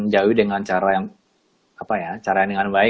jauhi dengan cara yang apa ya cara yang dengan baik